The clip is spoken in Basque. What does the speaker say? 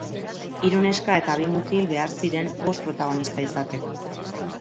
Hiru neska eta bi mutil behar ziren bost protagonista izateko.